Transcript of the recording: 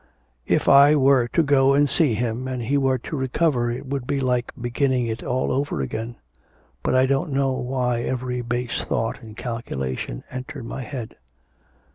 If I were to go and see him and he were to recover it would be like beginning it over again.... But I don't know why every base thought and calculation enter my head.